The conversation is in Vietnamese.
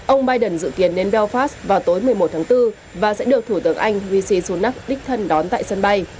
ông biden dự kiến đến belfast vào tối một mươi một tháng bốn và sẽ được thủ tướng anh v c sunak lichten đón tại sân bay